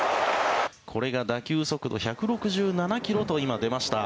これが打球速度１６７ｋｍと今、出ました。